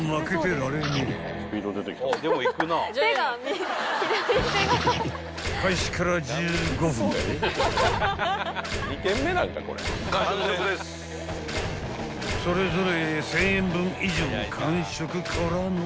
［それぞれ１，０００円分以上を完食からの］